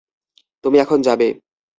তুমি এখন যাবে।